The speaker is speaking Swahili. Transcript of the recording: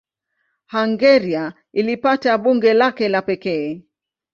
Hungaria ilipata bunge lake la pekee.